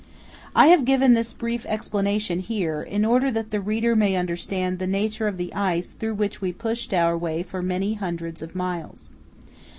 I have given this brief explanation here in order that the reader may understand the nature of the ice through which we pushed our way for many hundreds of miles.